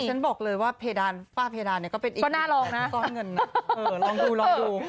กูบอกเลยว่าแภดานป้าแภดานก็เป็นกินงานต้นเงินนะคะลองดูลองดู